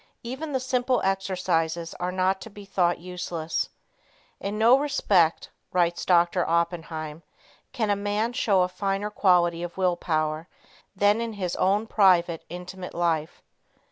Even the simple exercises are not to be thought useless. "In no respect," writes Doctor Oppenheim, "can a man show a finer quality of will power than in his own private, intimate life."